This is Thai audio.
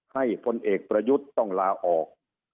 พลเอกประยุทธ์ต้องลาออก